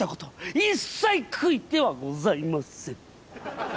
一切悔いてはございませぬ！